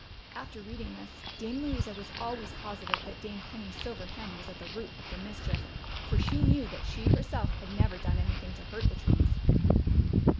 After reading this. Dame Louisa was always positive that Dame Penny's silver hen was at the root of the mischief, for she knew that she herself had never done anything to hurt the trees.